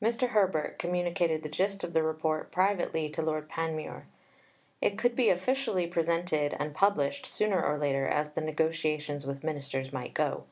Mr. Herbert communicated the gist of the Report privately to Lord Panmure. It could be officially presented and published sooner or later as the negotiations with Ministers might go.